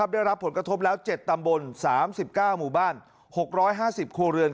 ได้รับผลกระทบแล้ว๗ตำบล๓๙หมู่บ้าน๖๕๐ครัวเรือน